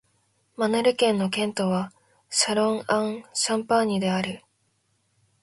マルヌ県の県都はシャロン＝アン＝シャンパーニュである